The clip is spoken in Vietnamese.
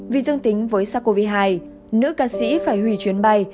vì dương tính với sars cov hai nữ ca sĩ phải hủy chuyến bay